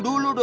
tuh tuh tuh